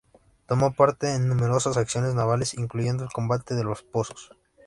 Tomó parte en numerosas acciones navales, incluyendo el combate de los Pozos.